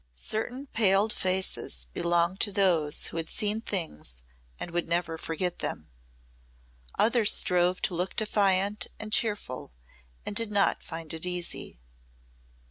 Certain paled faces belonged to those who had seen things and would never forget them. Others strove to look defiant and cheerful and did not find it easy.